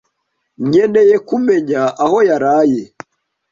Nkeneye kumenya aho yaraye.